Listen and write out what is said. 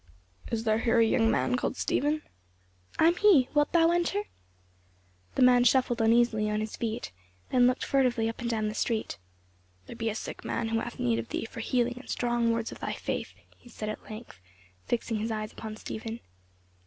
"Is there here a young man called Stephen?" "I am he; wilt thou enter?" The man shuffled uneasily on his feet, then looked furtively up and down the street. "There be a sick man who hath need of thee for healing and strong words of thy faith," he said at length, fixing his eyes upon Stephen.